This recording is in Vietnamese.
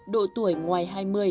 độ tuổi ngoài hai mươi